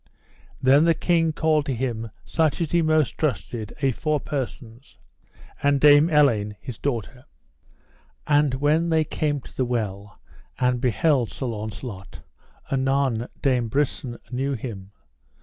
Then the king called to him such as he most trusted, a four persons, and Dame Elaine, his daughter. And when they came to the well and beheld Sir Launcelot, anon Dame Brisen knew him.